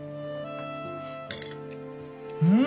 うん！